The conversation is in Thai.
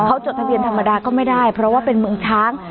เขาจดทะเบียนธรรมดาก็ไม่ได้เพราะว่าเป็นเมืองช้าง